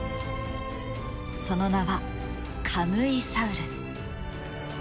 その名はカムイサウルス。